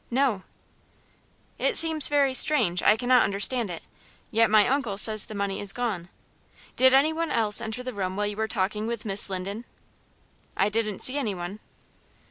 "No." "It seems very strange. I cannot understand it. Yet my uncle says the money is gone. Did anyone else enter the room while you were talking with Miss Linden?" "I didn't see any one."